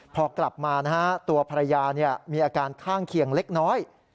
พอกลับมานะฮะตัวภรรยามีอาการข้างเคียงเล็กน้อย